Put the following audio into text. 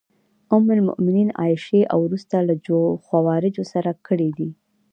ام المومنین عایشې او وروسته له خوارجو سره کړي دي.